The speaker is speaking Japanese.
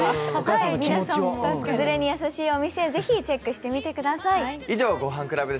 子連れに優しいお店、ぜひチェックしてみてください。